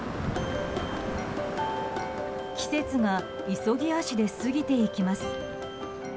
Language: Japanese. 季節が急ぎ足で過ぎていきます。